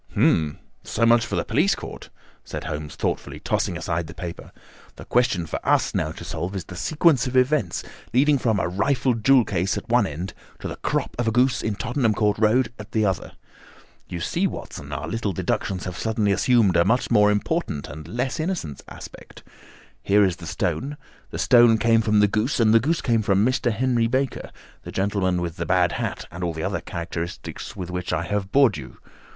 "Hum! So much for the police court," said Holmes thoughtfully, tossing aside the paper. "The question for us now to solve is the sequence of events leading from a rifled jewel case at one end to the crop of a goose in Tottenham Court Road at the other. You see, Watson, our little deductions have suddenly assumed a much more important and less innocent aspect. Here is the stone; the stone came from the goose, and the goose came from Mr. Henry Baker, the gentleman with the bad hat and all the other characteristics with which I have bored you.